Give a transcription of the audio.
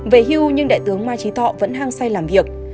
về hưu nhưng đại tướng ma chí thọ vẫn hang say làm việc